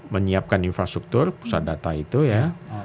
menyiapkan infrastruktur pusat data itu ya